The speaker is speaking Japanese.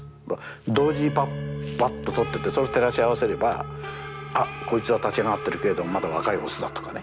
同時にパッパッと撮っててそして照らし合わせればあこいつは立ち上がってるけれどもまだ若いオスだとかね。